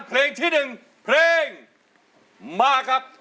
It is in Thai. เพลงที่๑เพลงมาครับ